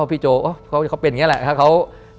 พี่โจ้เขาเป็นอย่างนี้แหละ